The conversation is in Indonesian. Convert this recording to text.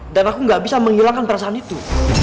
dan aku gak bisa menghilangkan perasaan itu